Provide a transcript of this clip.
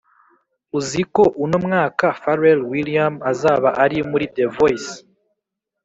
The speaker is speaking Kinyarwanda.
uziko uno mwaka pharrel william azaba ari muri the voice